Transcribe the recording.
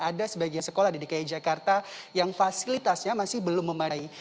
ada sebagian sekolah di dki jakarta yang fasilitasnya masih belum memadai